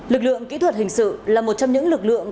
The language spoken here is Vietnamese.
lực lượng kỹ thuật hình sự là một trong những lực lượng